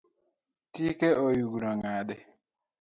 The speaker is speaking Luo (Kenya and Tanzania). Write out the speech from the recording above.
Tike oyugno nade?